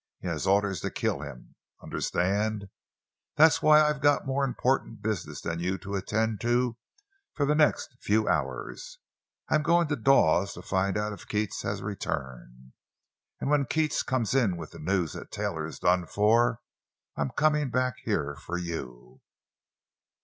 He has orders to kill him—understand? That's why I've got more important business than you to attend to for the next few hours. I'm going to Dawes to find out if Keats has returned. And when Keats comes in with the news that Taylor is done for, I'm coming back here for you!"